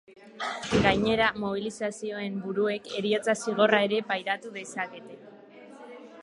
Gainera, mobilizazioen buruek heriotza zigorra ere pairatu dezakete.